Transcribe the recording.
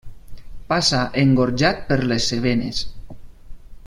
Passa engorjat per les Cevenes.